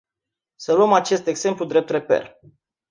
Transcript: Să luăm acest exemplu drept reper.